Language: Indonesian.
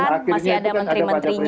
masih ada menteri menterinya